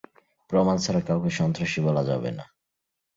প্রমাণ ছাড়া কাউকে সন্ত্রাসী বলা যাবে না।